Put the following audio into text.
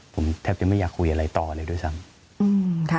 ผมแทบจะไม่อยากคุยอะไรต่อเลยด้วยซ้ำ